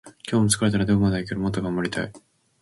今日も疲れたな。でもまだまだいける。もっと頑張りたい。